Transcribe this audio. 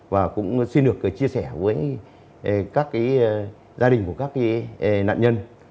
và cũng xin được chia sẻ với các gia đình của các nạn nhân